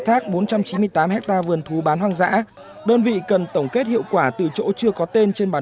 thác bốn trăm chín mươi tám hectare vườn thú bán hoang dã đơn vị cần tổng kết hiệu quả từ chỗ chưa có tên trên bản